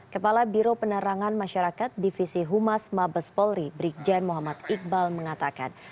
kepala biro penerangan masyarakat divisi humas mabes polri brigjen muhammad iqbal mengatakan